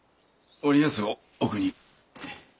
おりやすよ奥に。